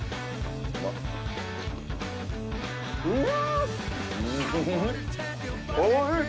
うん！